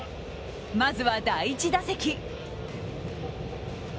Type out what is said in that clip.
まずは、第１打席。